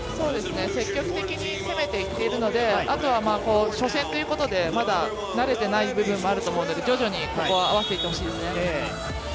積極的に攻めていっているので、あとは初戦ということでまだ慣れていない部分もあると思うので、ここは徐々に合わせていって欲しいですね。